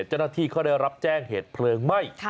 เจ้าหน้าที่เขาได้รับแจ้งเหตุเพลิงไหม้